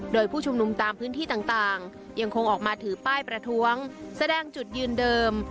โดยผู้ชุมนุมตามพื้นที่ต่างยังคงออกมาถือป้ายประท้วงแสดงจุดยืนเดิม